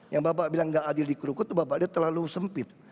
yang bapak bilang tidak adil di krukut itu bapak terlalu sempit